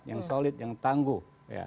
yang solid yang tangguh